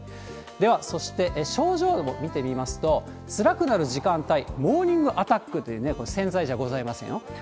では、そして症状を見てみますと、つらくなる時間帯、モーニングアタックという、これ、洗剤じゃございませんよ。